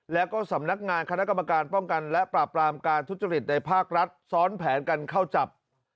แล้วก็สำนักงานคณะกรรมการป้องกันและปราบปรามการทุจริตในภาครัฐซ้อนแผนกันเข้าจับ